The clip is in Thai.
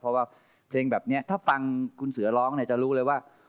เพราะว่าเพลงแบบนี้ถ้าฟังคุณเสือร้องเนี่ยจะรู้เลยว่า